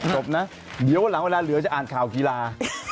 แล้วก่อนวินาถาวเหลือจะอ่านข่าวกีฬา